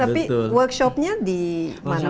tapi workshopnya di mana